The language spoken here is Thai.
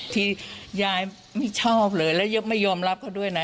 ที่ยายไม่ชอบเลยแล้วยังไม่ยอมรับเขาด้วยนะ